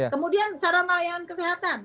kemudian sarana layanan kesehatan